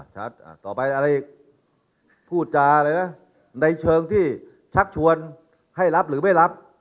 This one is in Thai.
ชัดอ่ะต่อไปอะไรอีกผู้จารย์ในเชิงที่ชักชวนให้รับหรือไม่รับ